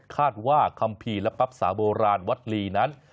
คาดว่าคัมภีรปรับศาสตร์โบราณวัดลีนั้น